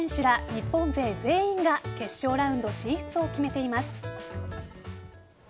日本勢全員が決勝ラウンド進出を決めています。